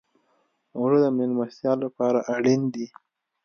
اوړه د میلمستیا لپاره اړین دي